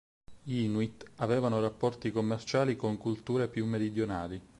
Gli Inuit avevano rapporti commerciali con culture più meridionali.